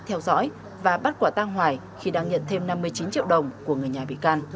theo dõi và bắt quả tang hoài khi đang nhận thêm năm mươi chín triệu đồng của người nhà bị can